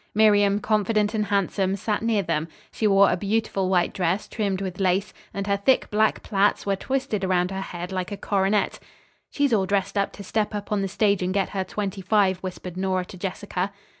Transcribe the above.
Miriam, confident and handsome, sat near them. She wore a beautiful white dress trimmed with lace, and her thick, black plaits were twisted around her head like a coronet. "She's all dressed up to step up on the stage and get her twenty five," whispered Nora to Jessica.